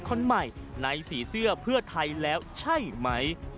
คนใหม่ในสีเสื้อเพื่อไทยแล้วใช่ไหม